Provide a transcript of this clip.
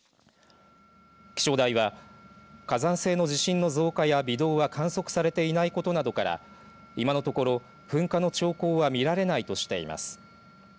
気象台は火山性の地震の増加や微動は観測されていないことなどから今のところ噴火の兆候は見られないとしています。